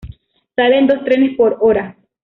Salen dos trenes por hora.